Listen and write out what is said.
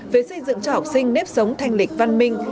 về xây dựng cho học sinh nếp sống thanh lịch văn minh